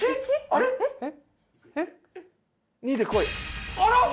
あら！？